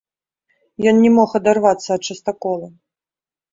Ён не мог адарвацца ад частакола.